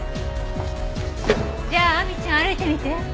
じゃあ亜美ちゃん歩いてみて。